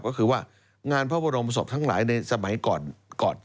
ก็คือว่างานพระบรมศพทั้งหลายในสมัยก่อน